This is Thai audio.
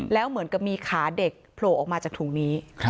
แล้วเหมือนกับมีขาเด็กโผล่ออกมาจากถุงนี้